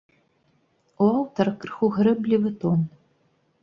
У аўтара крыху грэблівы тон.